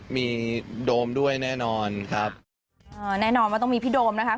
มีโดมด้วยแน่นอนครับอ่าแน่นอนว่าต้องมีพี่โดมนะคะ